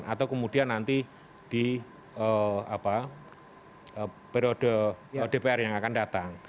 atau kemudian nanti di periode dpr yang akan datang